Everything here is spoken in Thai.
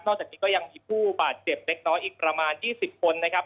จากนี้ก็ยังมีผู้บาดเจ็บเล็กน้อยอีกประมาณ๒๐คนนะครับ